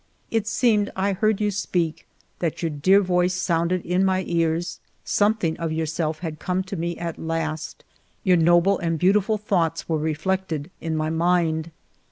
It seemed I heard you speak, that your dear voice sounded in my ears ; something of yourself had come to me at last, your noble and beautiful thoughts were reflected in my mind.